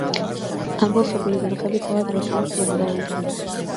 ამბოხებული გლეხები თავად როსტომს მოკლავენ.